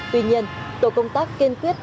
tuy nhiên tổ công tác kiên quyết